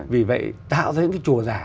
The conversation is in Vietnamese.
vì vậy tạo ra những cái chùa giả